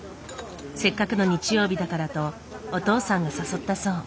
せっかくの日曜日だからとお父さんが誘ったそう。